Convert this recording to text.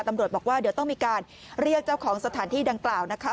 ตำรวจบอกว่าเดี๋ยวต้องมีการเรียกเจ้าของสถานที่ดังกล่าวนะคะ